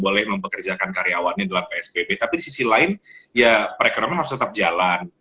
boleh mempekerjakan karyawannya dalam psbb tapi di sisi lain ya perekonomian harus tetap jalan